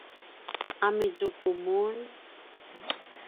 amizuku mun?